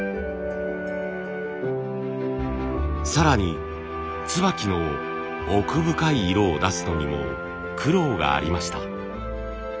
更に椿の奥深い色を出すのにも苦労がありました。